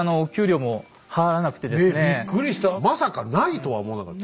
まさかないとは思わなかった。